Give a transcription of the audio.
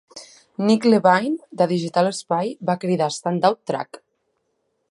Nick Levine, de "digital Spy", va cridar "standout Track".